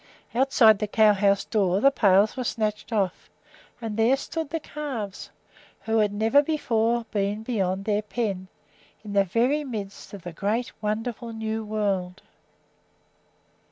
Outside the cow house door the pails were snatched off and there stood the calves, who had never before been beyond their pen, in the very midst of the great, wonderful new world.